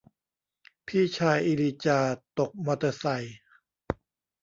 พี่ชายอีลีจาตกมอเตอร์ไซค์